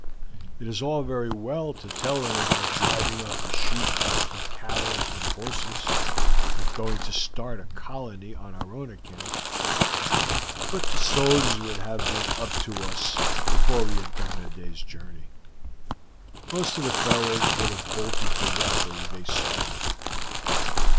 It is all very well to tell them about driving off the sheep and cattle and horses, and going to start a colony on our own account, but the soldiers would have been up to us before we had gone a day's journey. Most of the fellows would have bolted directly they saw them.